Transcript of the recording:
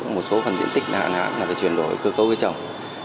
một số phần diện tích hạn hán là chuyển đổi cơ cấu với chồng